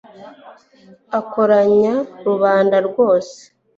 akoranya rubanda rwose